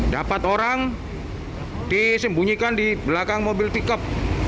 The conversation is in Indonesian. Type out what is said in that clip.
dapat orang disembunyikan di belakang mobil pickup